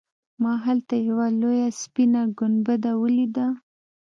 ما هلته یوه لویه سپینه ګنبده ولیده.